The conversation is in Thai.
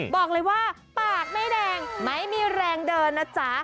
บอกเลยว่าปากไม่แดงไม่มีแรงเดินนะจ๊ะ